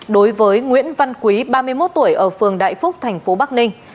đối với nguyễn văn quý ba mươi một tuổi ở phường đại phúc thành phố bắc ninh